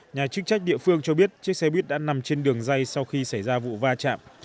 nhà chức trách địa phương cho biết chiếc xe buýt đã nằm trên đường dây sau khi xảy ra vụ va chạm